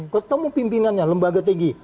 ketemu pimpinannya lembaga tg